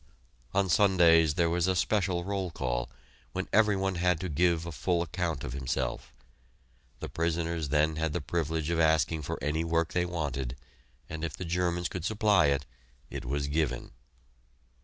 On Sundays there was a special roll call, when every one had to give a full account of himself. The prisoners then had the privilege of asking for any work they wanted, and if the Germans could supply it, it was given.